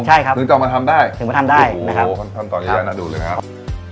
ใช่ครับถึงจะออกมาทำได้ถึงจะออกมาทำได้นะครับโอ้โหทำตอนนี้ยากน่าดูดเลยนะครับ